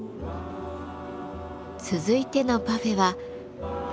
続いてのパフェは。